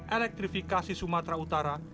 elektrifikasi sumatera utara